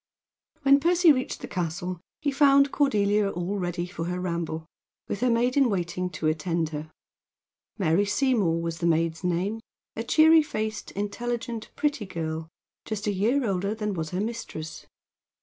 When Percy reached the castle he found Cordelia all ready for her ramble, with her maid in waiting to attend her. Mary Seymour was this maid's name, a cheery faced, intelligent, pretty girl, just a year older than was her mistress.